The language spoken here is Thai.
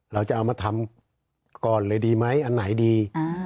เราจะเอามาทำก่อนเลยดีไหมอันไหนดี